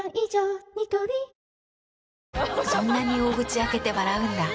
そんなに大口開けて笑うんだ。